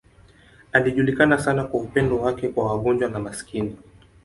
Alijulikana sana kwa upendo wake kwa wagonjwa na maskini.